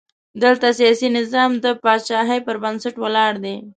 دلته سیاسي نظام د پاچاهۍ پر بنسټ ولاړ دی.